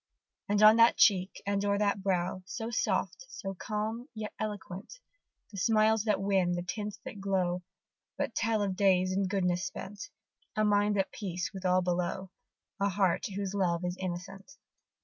And on that cheek, and o'er that brow, So soft, so calm, yet eloquent, The smiles that win, the tints that glow, But tell of days in goodness spent, A mind at peace with all below, A heart whose love is innocent!